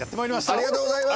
ありがとうございます。